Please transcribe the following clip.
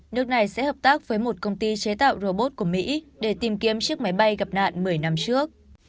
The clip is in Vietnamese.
nước này sẽ hợp tác với một công ty chế tạo robot của mỹ để tìm kiếm chiếc máy bay gặp nạn một mươi năm trước